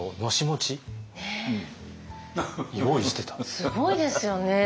すごいですよね。